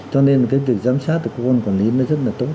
cho nên cái việc giám sát từ cơ quan quản lý nó rất là tốt